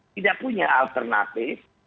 tidak punya alternatif